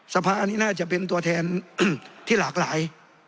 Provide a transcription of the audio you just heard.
สภาอันนี้น่าจะเป็นตัวแทนที่หลากหลาย